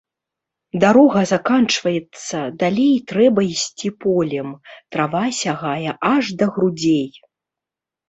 Дарога заканчваецца, далей трэба ісці полем, трава сягае аж да грудзей.